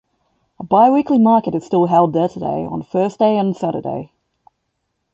A bi-weekly market is still held there today on Thursday and Saturday.